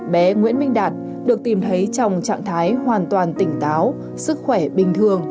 bé nguyễn minh đạt được tìm thấy trong trạng thái hoàn toàn tỉnh táo sức khỏe bình thường